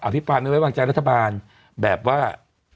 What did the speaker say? อภิปาลแม้บ้างแจ้งรัฐบาลแบบว่า